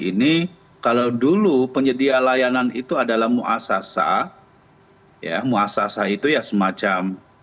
ini kalau dulu penyedia layanan itu adalah muasasa ya muasasa itu ya semacam